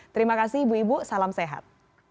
terima kasih ibu ibu salam sehat